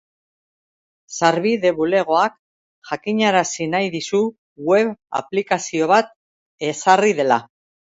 Sarbide Bulegoak jakinarazi nahi dizu web aplikazio bat ezarri dela.